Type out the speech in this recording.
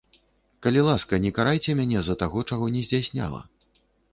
Калі ласка, не карайце мяне за таго, чаго не здзяйсняла.